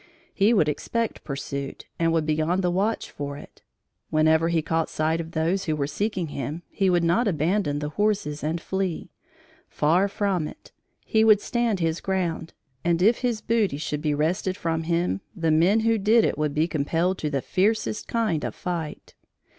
He would expect pursuit and would be on the watch for it. Whenever he caught sight of those who were seeking him, he would not abandon the horses and flee. Far from it: he would stand his ground, and if his booty should be wrested from him the men who did it would be compelled to the fiercest kind of fight.